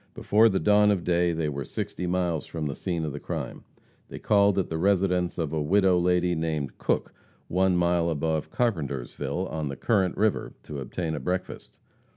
Before the dawn of day they were sixty miles from the scene of the crime. They called at the residence of a widow lady named Cook, one mile above Carpentersville, on the Current river, to obtain a breakfast.